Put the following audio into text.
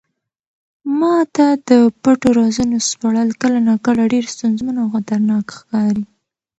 ما ته د پټو رازونو سپړل کله ناکله ډېر ستونزمن او خطرناک ښکاري.